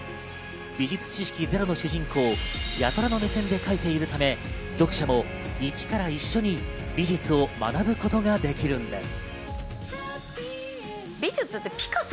美術知識ゼロの主人公・八虎の目線で描いているため、読者もイチから一緒に美術を学ぶことができるんです。